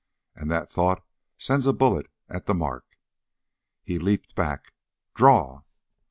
And that thought sends a bullet at the mark!" He leaped back. "Draw!"